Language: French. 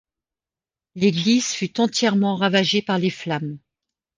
L'église fut entièrement ravagée par les flammes.